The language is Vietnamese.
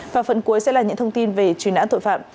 và phần cuối sẽ là những thông tin về truy nã tội phạm